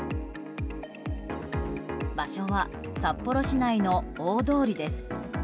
場所は札幌市内の大通りです。